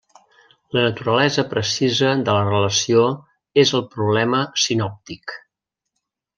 La naturalesa precisa de la relació és el problema sinòptic.